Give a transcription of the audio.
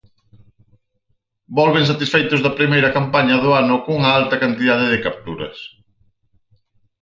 Volven satisfeitos da primeira campaña do ano cunha alta cantidade de capturas.